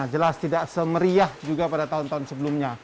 jelas tidak semeriah juga pada tahun tahun sebelumnya